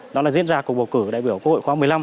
đó là diễn ra của bầu cử đại biểu của hội khoa một mươi năm